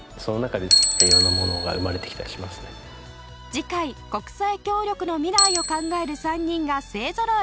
次回国際協力のミライを考える３人が勢ぞろい。